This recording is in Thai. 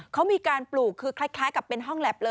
เขามีการปลูกคือคล้ายกับเป็นห้องแล็บเลย